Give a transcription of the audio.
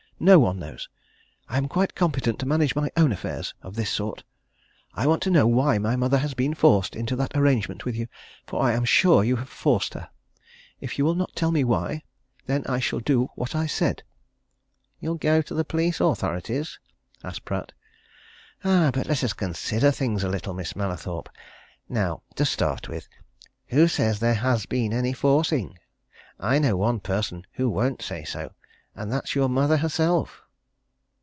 "No one knows! I am quite competent to manage my own affairs of this sort. I want to know why my mother has been forced into that arrangement with you for I am sure you have forced her! If you will not tell me why then I shall do what I said." "You'll go to the police authorities?" asked Pratt. "Ah! but let us consider things a little, Miss Mallathorpe. Now, to start with, who says there has been any forcing? I know one person who won't say so and that's your mother herself!"